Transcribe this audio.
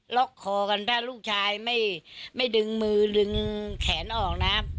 ล็อกคอกันถ้าลูกชายไม่ดึงมือดึงแขนออกนะ